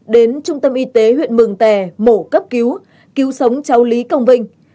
đến trung tâm y tế huyện mường tè mổ cấp cứu cứu sống cháu lý công vinh